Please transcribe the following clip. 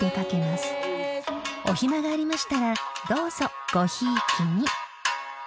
［お暇がありましたらどうぞごひいきに］